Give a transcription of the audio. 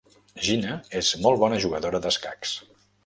Gina és molt bona jugadora d'escacs.